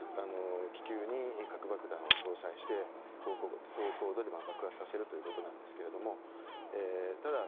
気球に核爆弾を搭載して高高度で爆発させるということなんですが